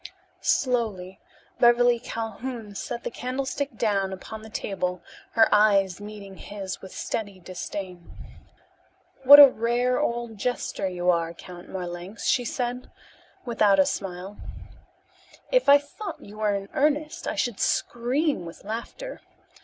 Slowly Beverly Calhoun set the candlestick down upon the table her eyes meeting his with steady disdain. "What a rare old jester you are, Count Marlanx," she said without a smile. "If I thought you were in earnest I should scream with laughter.